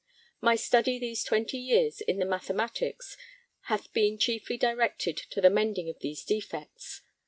My study these twenty years in the Mathematics hath been chiefly directed to the mending of these defects.